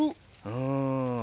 うん。